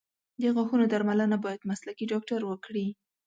د غاښونو درملنه باید مسلکي ډاکټر وکړي.